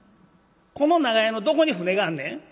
この長屋のどこに船があんねん」。